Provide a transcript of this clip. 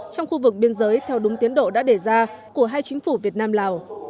trong khu vực biên giới theo đúng tiến độ đã đề ra của hai chính phủ việt nam lào